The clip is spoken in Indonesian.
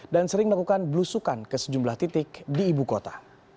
dan sering melakukan belusukan ke sejumlah titik di ibu kota